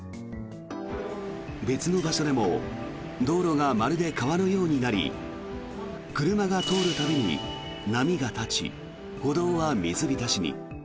別の場所でも道路がまるで川のようになり車が通る度に波が立ち歩道は水浸しに。